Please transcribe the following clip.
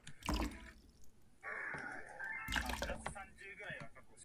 你鬼我閻羅